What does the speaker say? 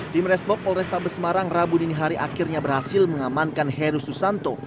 tim resbob polresta besmarang rabu dinihari akhirnya berhasil mengamankan heru susanto